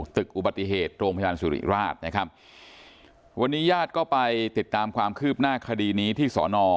ตึกอุบัติเหตุโรงพยาบาลสุริราชนะครับวันนี้ญาติก็ไปติดตามความคืบหน้าคดีนี้ที่สอนอ